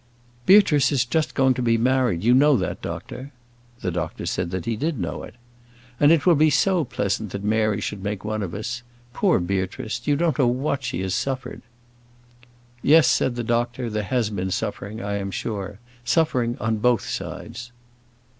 "Beatrice is just going to be married, you know that, doctor." The doctor said that he did know it. "And it will be so pleasant that Mary should make one of us. Poor Beatrice; you don't know what she has suffered." "Yes," said the doctor, "there has been suffering, I am sure; suffering on both sides."